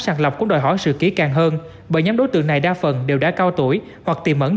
sàn lọc cũng đòi hỏi sự ký càng hơn bởi nhóm đối tượng này đa phần đều đã cao tuổi hoặc tìm